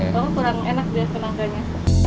kalau nggak kurang enak deh nangkanya